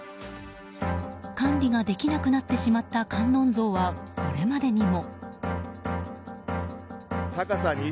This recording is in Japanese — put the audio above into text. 管理ができなくなってしまった観音像はこれまでにも。